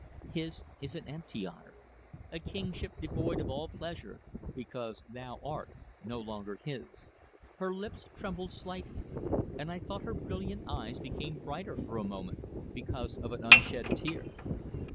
His is an empty honour, a kingship devoid of all pleasure because thou art no longer his." Her lips trembled slightly, and I thought her brilliant eyes became brighter for a moment because of an unshed tear.